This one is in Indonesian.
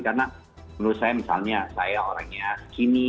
karena menurut saya misalnya saya orang yang skinny